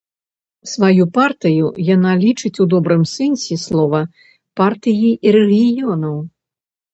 Сваю партыю яна лічыць у добрым сэнсе слова партыяй рэгіёнаў.